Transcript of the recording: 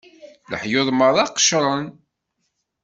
Leḥyuḍ merra qecren.